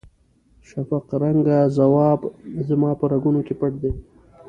شفق رنګه ځواب زما په رګونو کې پټ دی.